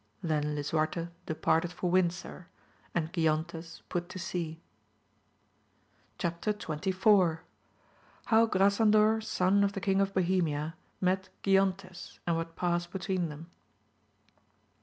Then Lisuarte departed for Windsor, and Giontes put to sea. Chap. XXIY. — How Grasandor son of the King of Boheoiia met GionteSi and what passed between them.